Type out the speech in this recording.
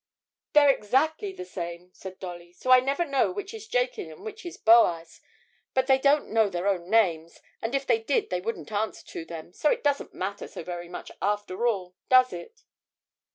'They're exactly the same,' said Dolly, 'so I never know which is Jachin and which is Boaz; but they don't know their own names, and if they did they wouldn't answer to them, so it doesn't matter so very much after all, does it?'